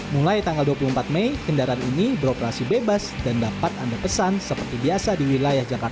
mulai tanggal dua puluh empat mei kendaraan ini beroperasi bebas dan dapat anda pesan seperti biasa di wilayah jakarta